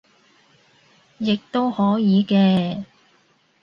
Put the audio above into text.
亦都可以嘅